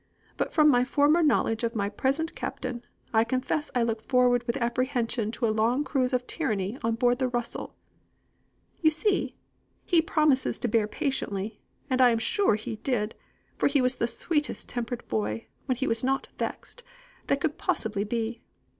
But from my former knowledge of my present captain, I confess I look forward with apprehension to a long course of tyranny on board the Russell.' You see, he promises to bear patiently, and I am sure he did, for he was the sweetest tempered boy, when he was not vexed, that could possibly be.